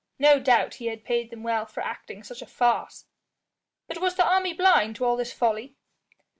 No doubt he had paid them well for acting such a farce." "But was the army blind to all this folly?"